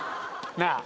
なあ。